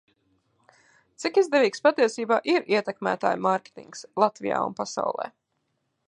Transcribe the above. Cik izdevīgs patiesībā ir ietekmētāju mārketings Latvijā un pasaulē?